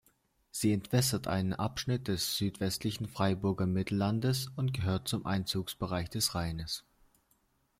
Sie entwässert einen Abschnitt des südwestlichen Freiburger Mittellandes und gehört zum Einzugsbereich des Rheins.